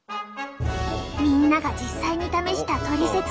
みんなが実際に試したトリセツ。